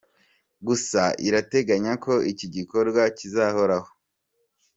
Gusa irateganya ko iki gikorwa kizahoraho.